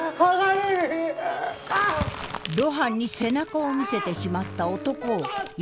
露伴に背中を見せてしまった男を異変が襲う。